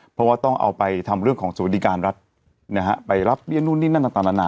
เพราะว่าต้องเอาไปทำเรื่องของสวัสดิการรัฐนะฮะไปรับเบี้ยนู่นนี่นั่นต่างนานา